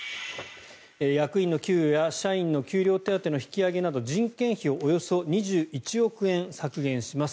役員の給与や社員の給料手当の引き下げなど人件費をおよそ２１億円削減します。